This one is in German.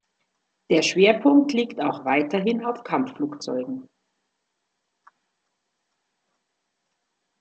Der Schwerpunkt liegt auch weiterhin auf Kampfflugzeugen.